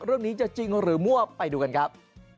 เรื่องนี้จะจริงหรือมั่วไปดูกันครับ